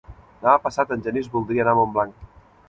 Demà passat en Genís voldria anar a Montblanc.